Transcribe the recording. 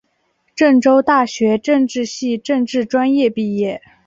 郑州大学政治系政治专业毕业。